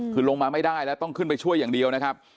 คือลงมาไม่ได้แล้วต้องขึ้นไปช่วยอย่างเดียวนะครับ